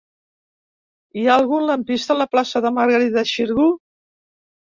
Hi ha algun lampista a la plaça de Margarida Xirgu?